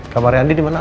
kamar anin dimana